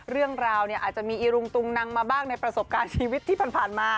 เรื่องราวเนี่ยอาจจะมีอีรุงตุงนังมาบ้างในประสบการณ์ชีวิตที่ผ่านมา